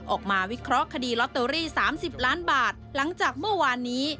วิเคราะห์คดีลอตเตอรี่๓๐ล้านบาทหลังจากเมื่อวานนี้